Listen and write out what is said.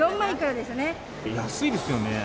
安いですよね。